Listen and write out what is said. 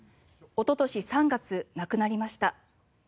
おととし３月、亡くなりました。